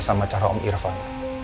sama cara om irfan